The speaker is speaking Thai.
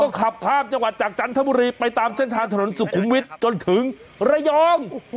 ขับข้ามจังหวัดจากจันทบุรีไปตามเส้นทางถนนสุขุมวิทย์จนถึงระยอง